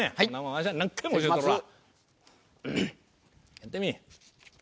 やってみい。